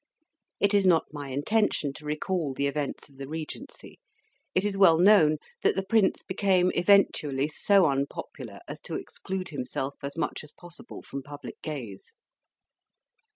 It is not my intention to recall the events of the Regency. It is well known that the Prince became eventually so unpopular as to exclude himself as much as possible from public gaze.